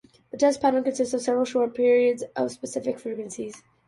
The test pattern consists of several short periods of specific frequencies.